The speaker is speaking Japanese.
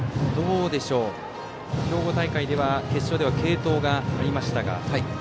兵庫大会では決勝では継投がありましたが。